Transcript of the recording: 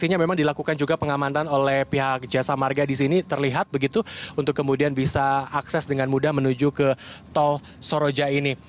sehingga memang dilakukan juga pengamanan oleh pihak jasa marga di sini terlihat begitu untuk kemudian bisa akses dengan mudah menuju ke tol soroja ini